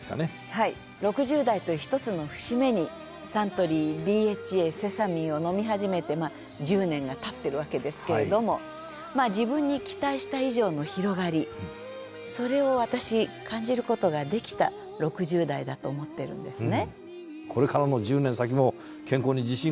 はい６０代という一つの節目にサントリーＤＨＡセサミンを飲み始めてまあ１０年が経ってるわけですけれども自分に期待した以上の広がりそれを私感じることができた６０代だと思ってるんですね。